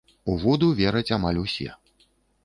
У вуду вераць амаль усе.